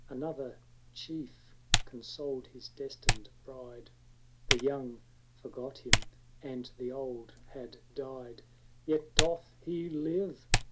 Another chief consoled his destined bride. The young forgot him, and the old had died; "Yet doth he live!"